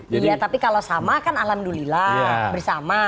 iya tapi kalau sama kan alhamdulillah bersama